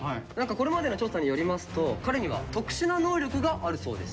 これまでの調査によりますと彼には特殊な能力があるそうです。